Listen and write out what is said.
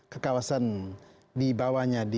ke kawasan di bawahnya